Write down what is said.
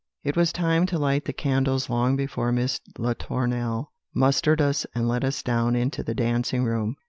_" Page 453.] "It was time to light the candles long before Miss Latournelle mustered us and led us down into the dancing room.